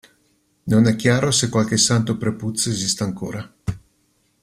Non è chiaro se qualche Santo prepuzio esista ancora.